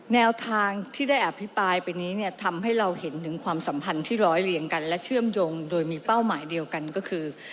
แนวทางที่ได้อภิปรายไปนี้เนี่ยทำให้เราเห็นถึงความสัมพันธ์ที่ร้อยเรียงกันและเชื่อมโยงโดยมีเป้าหมายเดียวกันก็คือ